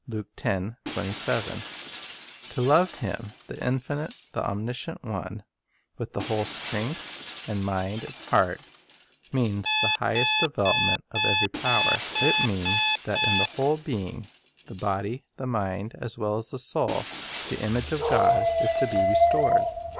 1 To love Him, the infinite, the omniscient One, with the whole strength,. and mind, and heart, means the highest development of every power. It means that in the whole being — the body, the mind, as well as the soul — the image of God is to be restored.